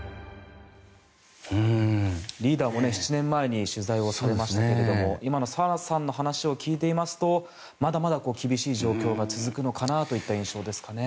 リーダーも７年前に取材されましたけど今の澤さんの話を聞いていますとまだまだ厳しい状況が続く印象ですかね。